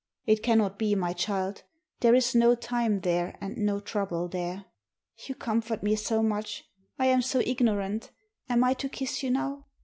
" "It cannot be, my child; there is no Time there, and no trouble there." "You comfort me so much! I am so ignorant. Am I to kiss you now?